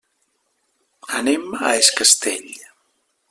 Anem a es Castell.